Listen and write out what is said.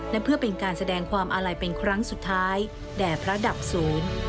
และเพื่อเป็นการแสดงความอาลัยเป็นครั้งสุดท้ายแด่พระดับศูนย์